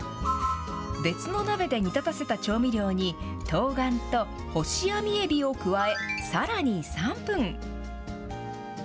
別の鍋で煮立たせた調味料に、とうがんと干しあみえびを加え、さらに３分。